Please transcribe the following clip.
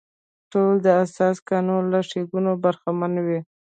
ټول د اساسي قانون له ښېګڼو برخمن وي.